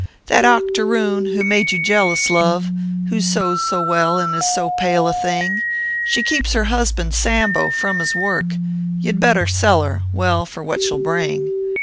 " That octoroon who made you jealous, love "Who sews so well and is so pale a thing; She keeps her husband, Sambo, from his work You d better sell her well, for what she ll bring.